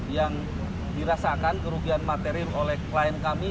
yang dirasakan kerugian material oleh klien kami